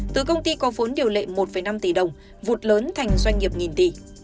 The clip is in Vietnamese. từ công ty có vốn điều lệ một năm tỷ đồng vụt lớn thành doanh nghiệp nghìn tỷ